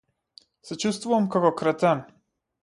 Се чувствувам како кретен.